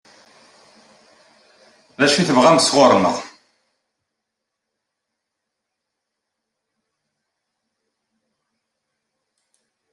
D acu i tebɣam sɣur-neɣ?